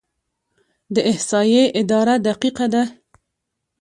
د احصایې اداره دقیقه ده؟